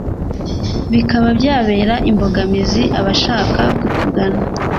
bikaba byabera imbogamizi abashaka kutugana